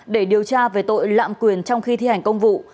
để điều tra về tội lạm quyền trong khi thi hành công vụ